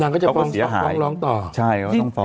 เขาก็เสียหายนางก็จะฟองลองต่อ